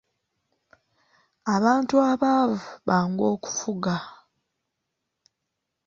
Abantu abaavu bangu okufuga.